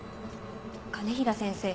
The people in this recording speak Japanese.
兼平先生